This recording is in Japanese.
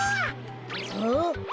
あっ？